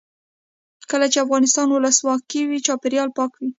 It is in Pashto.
کله چې افغانستان کې ولسواکي وي چاپیریال پاک وي.